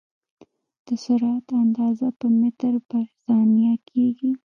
د سرعت اندازه په متر پر ثانیه کېږي.